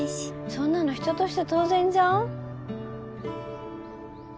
そんなの人として当然じゃん